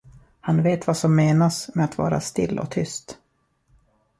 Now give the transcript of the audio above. Han vet vad som menas med att vara still och tyst.